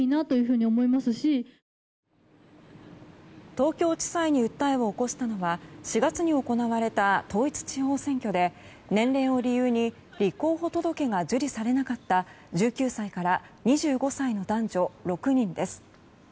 東京地裁に訴えを起こしたのは、４月に行われた統一地方選挙で年齢を理由に立候補届が受理されなかった１９歳から２５歳の男女６人です。